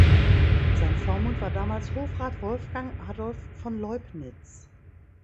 Sein Vormund war damals Hofrat Wolfgang Adolf von Leubnitz.